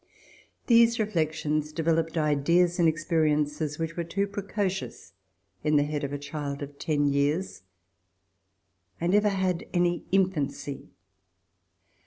These reflections developed ideas and experiences which were too precocious in the head of a child of CHILDHOOD OF MLLE. DILLON ten years. I never had any infancy.